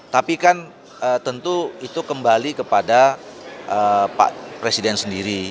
tapi kan tentu itu kembali kepada pak presiden sendiri